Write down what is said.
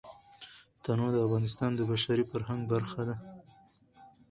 تنوع د افغانستان د بشري فرهنګ برخه ده.